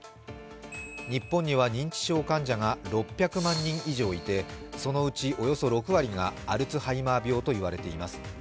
日本には認知症患者が６００万人以上いて、そのうちおよそ６割がアルツハイマー病といわれています。